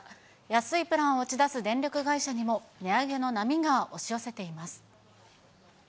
安いプランを打ち出す電力会社にも、値上げの波が押し寄せています。